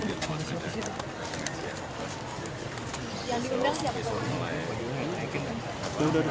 biasanya mulai pagi